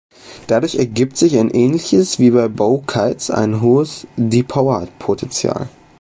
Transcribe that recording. Dadurch ergibt sich ähnlich wie bei Bow-Kites ein hohes Depower-Potential.